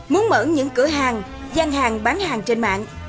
muốn mở những cửa hàng gian hàng bán hàng trên mạng